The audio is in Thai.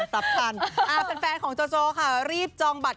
สุดท้าย